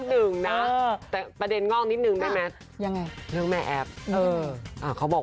คือคนก็เป็นมโนว่ากร์ปโตเป็นแฟนใหม่